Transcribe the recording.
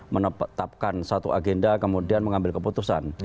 menetapkan satu agenda kemudian mengambil keputusan